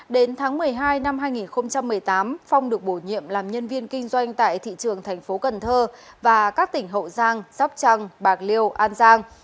đến tháng một mươi hai năm hai nghìn một mươi tám phong được bổ nhiệm làm nhân viên kinh doanh tại thị trường tp cn và các tỉnh hậu giang sóc trăng bạc liêu an giang